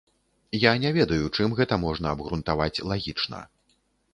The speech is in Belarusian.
Я не ведаю, чым гэта можна абгрунтаваць лагічна.